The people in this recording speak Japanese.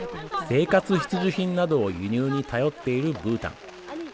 生活必需品などを輸入に頼っているブータン。